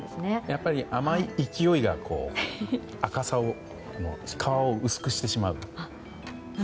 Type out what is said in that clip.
やっぱり甘い勢いが赤さを皮を薄くしてしまうと。